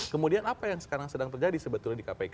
kemudian apa yang sekarang sedang terjadi sebetulnya di kpk